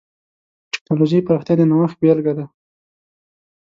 د ټکنالوجۍ پراختیا د نوښت بېلګه ده.